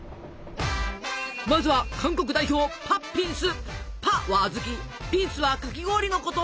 まずは韓国代表「パッ」はあずき「ピンス」はかき氷のこと。